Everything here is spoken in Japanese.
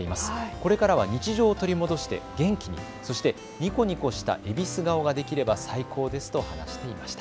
これからは日常を取り戻して元気に、そしてニコニコしたえびす顔ができれば最高ですと話していました。